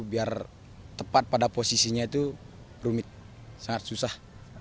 biar tepat pada posisinya itu rumit sangat susah